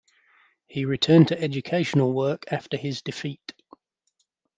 He returned to educational work after his defeat.